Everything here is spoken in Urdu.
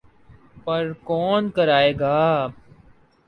پر کون کرائے گا؟